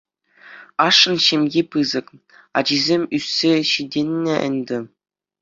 Ашшӗн ҫемйи пысӑк, ачисем ӳссе ҫитӗннӗ ӗнтӗ.